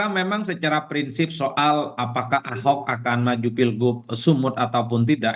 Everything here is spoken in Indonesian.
karena memang secara prinsip soal apakah ahok akan maju pilkud sumut ataupun tidak